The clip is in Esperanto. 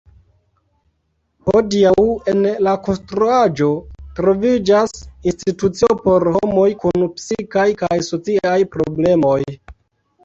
Hodiaŭ en la konstruaĵo troviĝas institucio por homoj kun psikaj kaj sociaj problemoj.